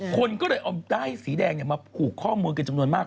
คนก็เลยเอาด้ายสีแดงมาผูกข้อมูลกันจำนวนมาก